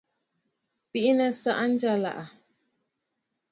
Bìʼinə̀ saʼa njyàlàʼà.